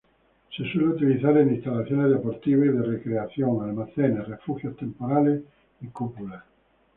Se suele utilizar en instalaciones deportivas y de recreación, almacenes, refugios temporales y cúpulas.